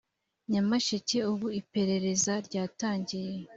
nyamasheke ubu iperereza ryaratangiye